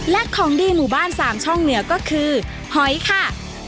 และของดีหมู่บ้านสามช่องเหนือก็คือหอยค่ะ